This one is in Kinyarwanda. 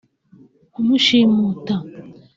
kumushimuta